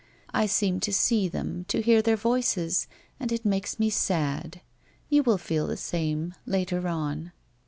I seem to see them, to hear their voices, and it makes me sad. You will feel the same, later on."